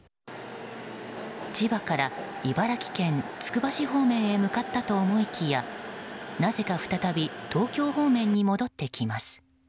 千葉から茨城県つくば市方面へ向かったと思いきやなぜか再び東京方面に戻ってきます。